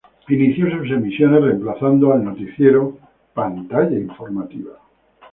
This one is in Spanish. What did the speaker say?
Inició sus emisiones reemplazando al noticiero "Pantalla informativa".